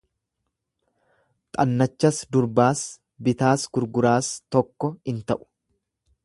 Xannachas durbaas, bitaas gurguraas tokko in ta'u.